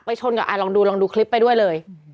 ชนกับลองดูลองดูคลิปไปด้วยเลย